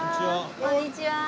こんにちは。